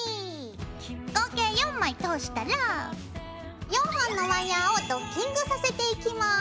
合計４枚通したら４本のワイヤーをドッキングさせていきます。